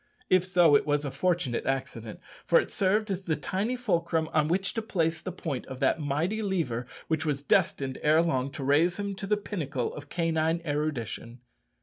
If so, it was a fortunate accident, for it served as the tiny fulcrum on which to place the point of that mighty lever which was destined ere long to raise him to the pinnacle of canine erudition.